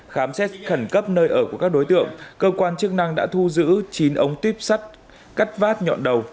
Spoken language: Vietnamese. khám xét khẩn cấp nơi ở của các đối tượng cơ quan chức năng đã thu giữ chín ống tuyếp sắt cắt vát nhọn đầu